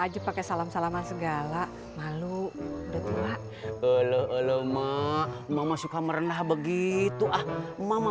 aja pakai salam salaman segala malu udah tua lho lho lho mak mama suka merendah begitu ah mama